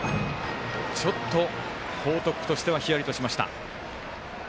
ちょっと報徳としてはヒヤリとしました。